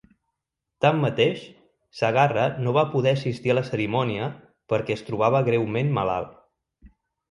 Tanmateix, Segarra no va poder assistir a la cerimònia perquè es trobava greument malalt.